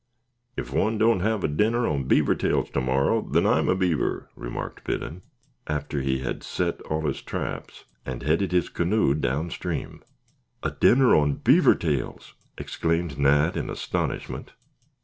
"Ef one don't have a dinner on beaver tails tomorrow, then I'm a beaver," remarked Biddon, after he had set all his traps, and headed his canoe down stream. "A dinner on beaver tails!" exclaimed Nat, in astonishment.